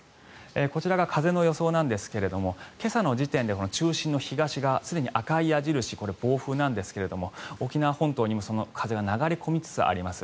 こちらが風の予想ですが今朝の時点で中心の東側、すでに赤い矢印これ、暴風なんですが沖縄本島にもその風が流れ込みつつあります。